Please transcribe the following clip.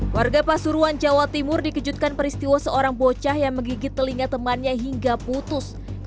warga pasuruan jawa timur dikejutkan peristiwa seorang bocah yang menggigit telinga temannya hingga putus